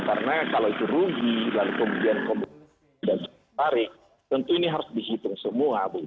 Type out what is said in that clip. karena kalau itu rugi kemudian komitmen dan tarik tentu ini harus dihitung semua